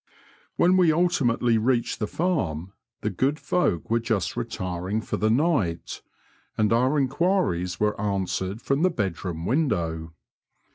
When we ultimately reached the farm the good folk were just retiring for the night, and our enquiries were answered from the bedroom window.